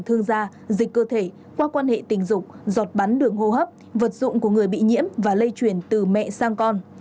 thương da dịch cơ thể qua quan hệ tình dục giọt bắn đường hô hấp vật dụng của người bị nhiễm và lây truyền từ mẹ sang con